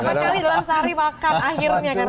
gak pas kali dalam sari makan akhirnya kan